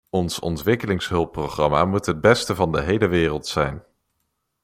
Ons ontwikkelingshulpprogramma moet het beste van de hele wereld zijn.